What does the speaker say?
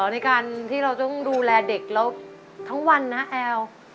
ในการที่เราต้องดูแลเด็กแล้วทั้งวันนะแอล